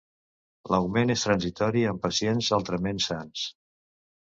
L'augment és transitori en pacients altrament sans.